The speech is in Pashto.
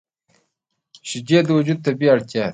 شیدې د وجود طبیعي اړتیا ده